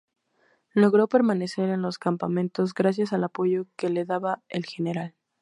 Logró permanecer en los campamentos gracias al apoyo que le daba el Gral.